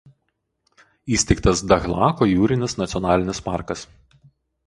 Įsteigtas Dahlako jūrinis nacionalinis parkas.